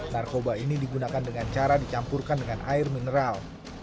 narkoba ini digunakan dengan cara dicampurkan dengan air mineral